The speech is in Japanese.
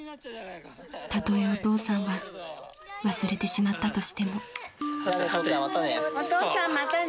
［たとえお父さんが忘れてしまったとしても］じゃあね。